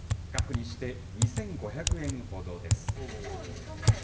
額にして２５００円ほどです。